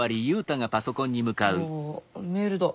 あメールだ。